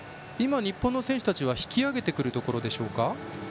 日本の選手たちは引き上げてくるところですか。